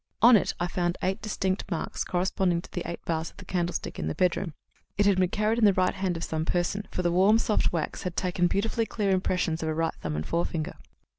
On it I found eight distinct marks corresponding to the eight bars of the candlestick in the bedroom. It had been carried in the right hand of some person, for the warm, soft wax had taken beautifully clear impressions of a right thumb and forefinger.